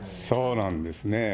そうなんですね。